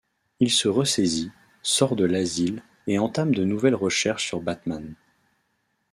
Il se ressaisit, sort de l'asile, et entame de nouvelles recherches sur Batman.